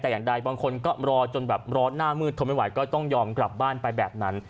แต่อย่างใดบางคนก็รอจนแบบร้อนหน้ามืดทนไม่ไหวก็ต้องยอมกลับบ้านไปแบบนั้น